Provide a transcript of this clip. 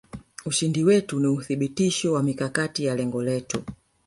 ushindi wetu ni uthibitisho wa mikakati ya lengo letu